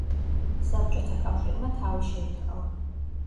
საბჭოთა კავშირმა თავი შეიკავა.